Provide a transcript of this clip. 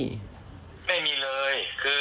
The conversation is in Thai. ไม่มีเลยคือจริงแล้วนี่